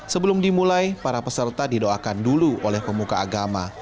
sebelum dimulai para peserta didoakan dulu oleh pemuka agama